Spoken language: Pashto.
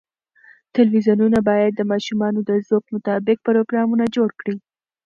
تلویزیون باید د ماشومانو د ذوق مطابق پروګرامونه جوړ کړي.